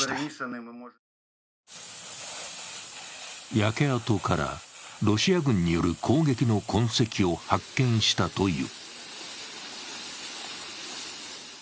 焼け跡からロシア軍による攻撃の痕跡を発見したという。